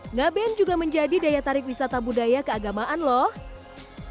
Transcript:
ngaben juga menjadi daya tarik wisata budaya keagamaan loh